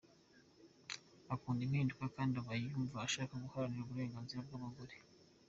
Akunda impinduka kandi aba yumva ashaka guharanira uburenganzira bw’abagore.